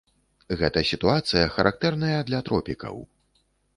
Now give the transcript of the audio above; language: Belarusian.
Гэта сітуацыя характэрная для тропікаў.